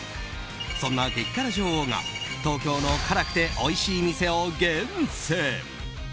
そんな激辛女王が東京の辛くておいしい店を厳選。